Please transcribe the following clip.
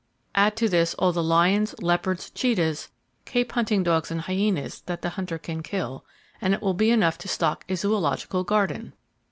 Add to this all the lions, leopards, [Page 182] cheetahs, cape hunting dogs and hyaenas that the hunter can kill, and it will be enough to stock a zoological garden!